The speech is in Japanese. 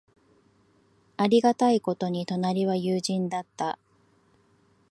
ありがたいことに、隣は友人だった。